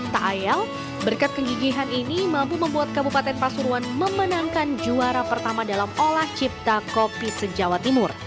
tak ayal berkat kegigihan ini mampu membuat kabupaten pasuruan memenangkan juara pertama dalam olah cipta kopi se jawa timur